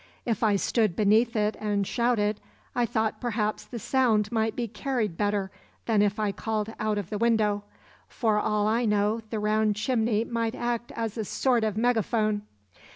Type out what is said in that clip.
If I stood beneath it and shouted I thought perhaps the sound might be carried better than if I called out of the window; for all I knew the round chimney might act as a sort of megaphone.